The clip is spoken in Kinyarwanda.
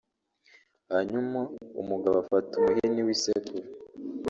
hanyuma umugabo afata umuhini w’isekuru